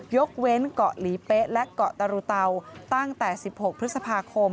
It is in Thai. ยกเว้นเกาะหลีเป๊ะและเกาะตรุเตาตั้งแต่๑๖พฤษภาคม